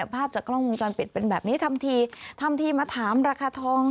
ภาพจากกล้องมูลจอลปิดเป็นแบบนี้ทำทีมาถามราคาทอง